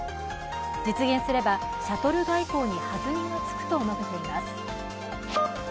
実現すれば、シャトル外交に弾みがつくと述べています。